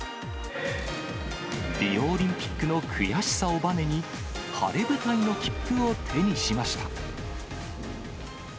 リオオリンピックの悔しさをばねに、晴れ舞台の切符を手にしました。